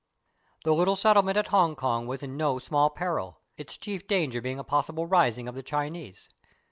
The little settlement at Hong Kong was in no small peril, its chief danger being a possible rising of the Chi nese.